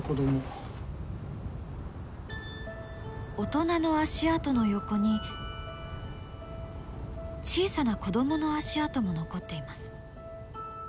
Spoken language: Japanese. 大人の足跡の横に小さな子どもの足跡も残っています。